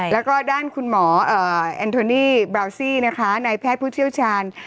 แล้วก็ด้านคุณหมอแอนโทนี่บราวซี่นะคะนายแพทย์ผู้เชี่ยวชาญ